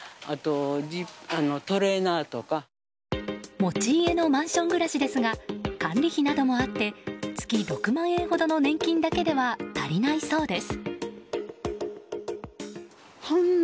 持ち家のマンション暮らしですが管理費などもあって月６万円ほどの年金だけでは足りないそうです。